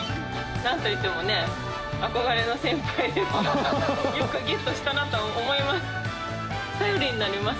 なんといってもね、憧れの先輩ですので、よくゲットしたなとは思います。